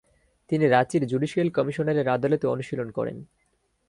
তিনি রাঁচির জুডিসিয়াল কমিশনারের আদালতে অনুশীলন করেন।